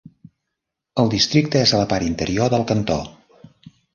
El districte és a la part interior del cantó.